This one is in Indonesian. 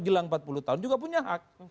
jelang empat puluh tahun juga punya hak